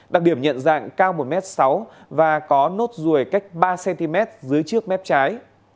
đặc điểm nhận dạng cao một m sáu và có nốt ruồi cách ba cm dưới trước mép trái